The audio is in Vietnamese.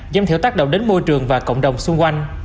giảm thiểu tác động đến môi trường và cộng đồng xung quanh